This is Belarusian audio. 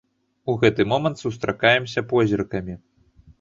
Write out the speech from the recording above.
У гэты момант сустракаемся позіркамі.